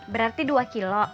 berarti dua kilo